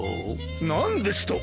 何ですと？